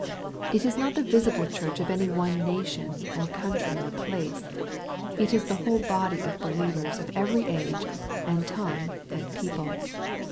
It is not the visible church of any one nation, or country, or place. It is the whole body of believers of every age, and tongue, and people.